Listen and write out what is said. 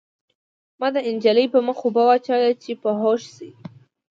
ما د نجلۍ په مخ اوبه واچولې چې په هوښ شي